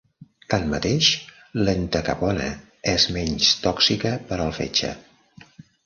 Tanmateix, l'entacapona és menys tòxica per al fetge.